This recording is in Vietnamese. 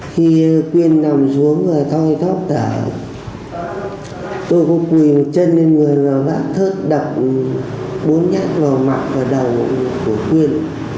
khi quyên nằm xuống và thoi thóp tả tôi có quỳ một chân lên người và bác thớt đập bốn nhát vào mặt và đầu của quyên